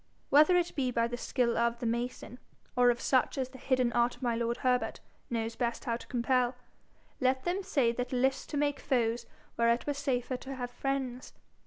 Whether it be by the skill of the mason or of such as the hidden art of my lord Herbert knows best how to compel, let them say that list to make foes where it were safer to have friends.